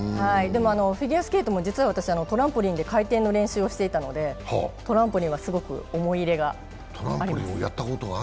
フィギュアスケートも実は私、トランポリンで回転の練習をしてたのでトランポリンはすごく思い入れがあります。